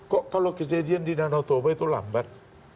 kok kalau kejadian di nanodoba itu lambat